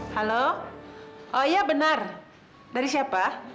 halo oh iya benar dari siapa